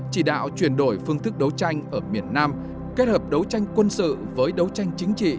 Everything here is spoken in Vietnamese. chỉ đạo chuyển đổi phương thức đấu tranh ở miền nam kết hợp đấu tranh quân sự với đấu tranh chính trị